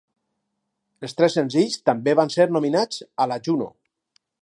Els tres senzills també van ser nominats a la Juno.